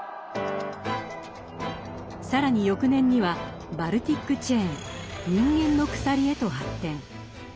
更に翌年にはバルティック・チェーン「人間の鎖」へと発展。